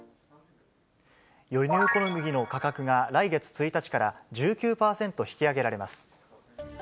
輸入小麦の価格が来月１日から、１９％引き上げられます。